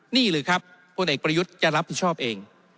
นี่เลยครับพลเอกประยุทธ์จะรับผิดชอบเอง